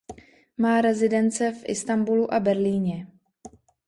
Má rezidence v Istanbulu a Berlíně.